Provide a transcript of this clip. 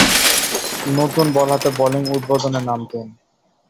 নতুন বল হাতে বোলিং উদ্বোধনে নামতেন।